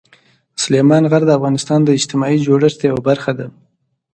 سلیمان غر د افغانستان د اجتماعي جوړښت یوه برخه ده.